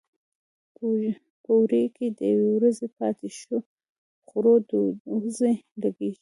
په اوړي کې د یوې ورځې پاتې شو خوړو ډډوزې لګېږي.